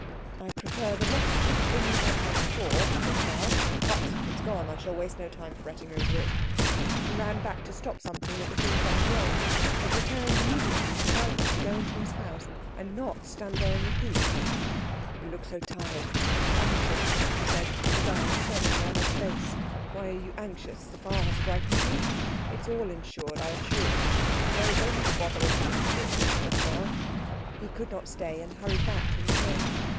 "I prefer the less good thing that I had before, just now. But it is gone. I shall not waste time fretting over it." He ran back again to stop something that was being done wrong, but returned immediately to tell them to go into his house and not stand there in the heat. "You look so tired and anxious," he said, his eyes searching Anna's face. "Why are you anxious? The fire has frightened you? It is all insured, I assure you, and there is only the bother of having to build just now." He could not stay, and hurried back to his men.